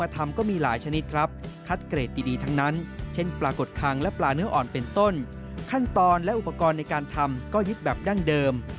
ทั้งนั้นเช่นปลากดคังและปลาเนื้ออ่อนเป็นต้นขั้นตอนและอุปกรณ์ในการทำก็ยึดแบบดั้งเดิม